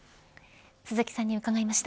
鈴木さんに伺いました。